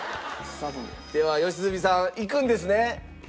では良純さんいくんですね？